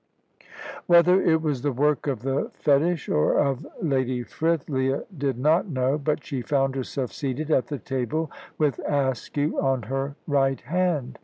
Whether it was the work of the fetish or of Lady Frith, Leah did not know, but she found herself seated at the table with Askew on her right hand.